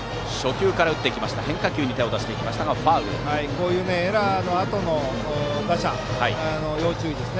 こういうエラーのあとの打者、要注意です。